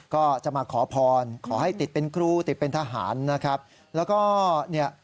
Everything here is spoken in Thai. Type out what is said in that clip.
ก็จะมาขอพรขอให้ติดเป็นครูติดเป็นทหารนะครับแล้วก็เนี่ย